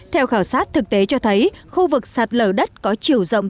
theo khảo sát thực tế cho thấy khu vực sạt lở đất có chiều rộng